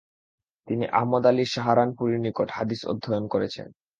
তিনি আহমদ আলী সাহারানপুরির নিকট হাদিস অধ্যয়ন করেছেন।